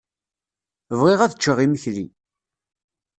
Bɣiɣ ad ččeɣ imekli.